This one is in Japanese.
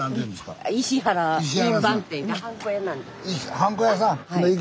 はんこ屋さん。